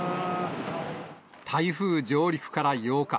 台風上陸から８日。